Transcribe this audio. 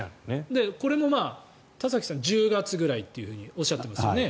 これも田崎さんは１０月ぐらいとおっしゃっていますよね。